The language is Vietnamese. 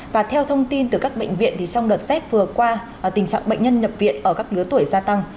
và theo thông tin từ các bệnh viện thì trong đợt z vừa qua tình trạng bệnh nhân nhập viện ở các lứa tuổi gia tăng